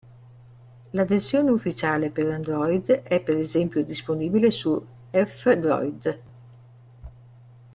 La versione ufficiale per Android è per esempio disponibile su F-Droid.